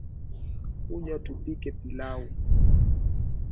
Kuja tupike pilau